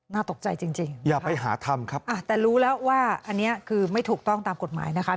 ตกใจจริงจริงอย่าไปหาทำครับแต่รู้แล้วว่าอันนี้คือไม่ถูกต้องตามกฎหมายนะคะ